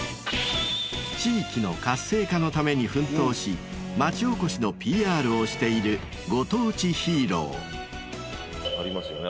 地域の活性化のために奮闘し町おこしのＰＲをしているご当地ヒーロー。ありますよね